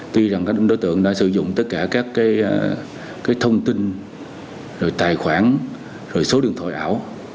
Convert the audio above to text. tuy rằng các đối tượng đã sử dụng tất cả các thông tin tài khoản số điện thoại ảo